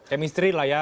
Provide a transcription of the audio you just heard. kemistri lah ya